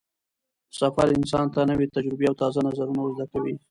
سفر انسان ته نوې تجربې او تازه نظرونه ور زده کوي